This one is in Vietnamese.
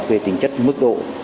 về tính chất mức độ